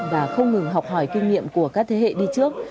và không ngừng học hỏi kinh nghiệm của các thế hệ đi trước